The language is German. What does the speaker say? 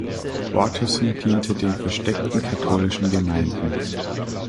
Waterson diente den versteckten katholischen Gemeinden.